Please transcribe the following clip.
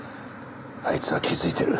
あいつは気づいてる。